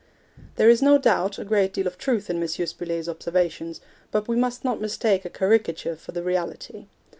There is, no doubt, a great deal of truth in M. Spuller's observations, but we must not mistake a caricature for the reality.